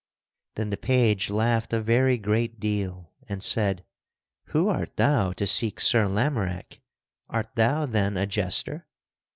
Then the page laughed a very great deal, and said: "Who art thou to seek Sir Lamorack? Art thou then a jester?"